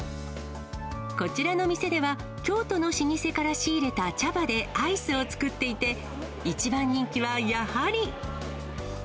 こちらの店では、京都の老舗から仕入れた茶葉でアイスを作っていて、一番人気はやはり。